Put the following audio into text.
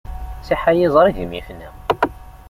Siḥ ay iẓri idim ifna.